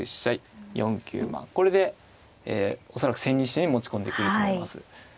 これで恐らく千日手に持ち込んでくると思います。